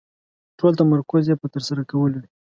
ټول تمرکز يې په ترسره کولو وي.